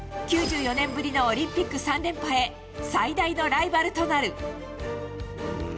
９４年ぶりのオリンピック３連覇へ最大のライバルとなる。